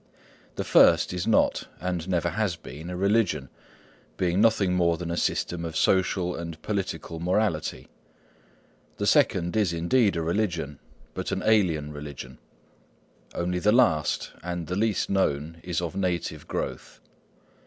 The first is not, and never has been, a religion, being nothing more than a system of social and political morality; the second is indeed a religion, but an alien religion; only the last, and the least known, is of native growth.